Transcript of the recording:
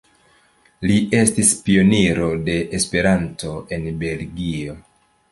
Li estis pioniro de Esperanto en Belgio.